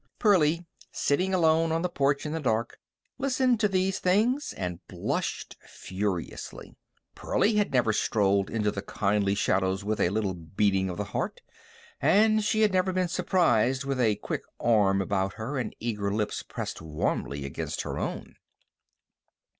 Pearlie, sitting alone on the porch in the dark, listened to these things and blushed furiously. Pearlie had never strolled into the kindly shadows with a little beating of the heart, and she had never been surprised with a quick arm about her and eager lips pressed warmly against her own.